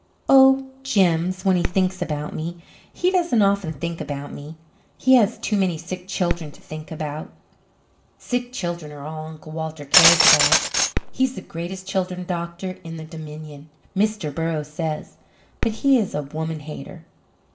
"Oh, Jims, when he thinks about me. He doesn't often think about me. He has too many sick children to think about. Sick children are all Uncle Walter cares about. He's the greatest children's doctor in the Dominion, Mr. Burroughs says. But he is a woman hater."